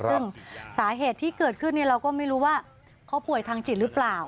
ซึ่งสาเหตุที่เกิดขึ้นเราก็ไม่รู้ว่าเขาป่วยทางจิตหรือเปล่า